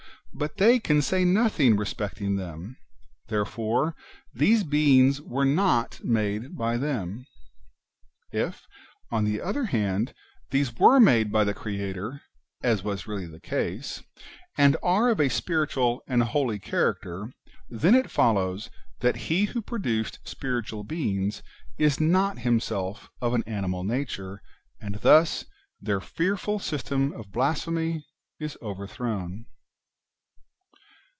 But they can say nothing respecting them ; therefore these beings were not made by them. If, on the other hand, these were made by the Creator, as was really the case, and are of a spiritual and holy character, then it follows that He who produced spiri tual beings is not Himself of an animal nature, and thus their fearful system of blasphemy is overthrown.